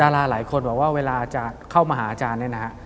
ราหลายคนบอกว่าเวลาจะเข้ามาหาอาจารย์เนี่ยนะฮะ